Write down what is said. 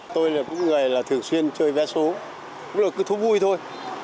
tôi là một người thường xuyên chơi vé số cứ thú vui thôi